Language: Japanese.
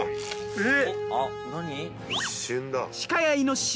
えっ！